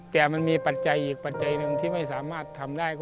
แต่มันมีปัจจัยอีกปัจจัยหนึ่งที่ไม่สามารถทำได้